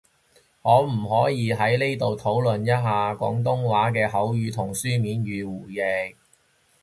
可唔可以喺呢度討論一下，廣東話嘅口語同書面語互譯？